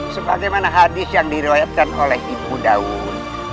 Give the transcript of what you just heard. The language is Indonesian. seperti hadis yang diruayatkan oleh ibu dawud